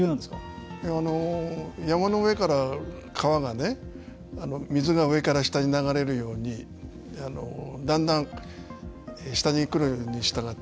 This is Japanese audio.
山の上から川がね水が上から下に流れるようにだんだん下に来るにしたがって速くなるでしょう。